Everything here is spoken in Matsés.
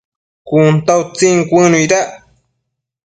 Cun ta utsin cuënuidac